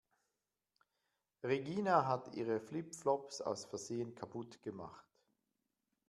Regina hat ihre Flip-Flops aus Versehen kaputt gemacht.